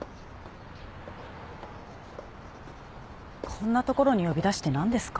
こんな所に呼び出して何ですか？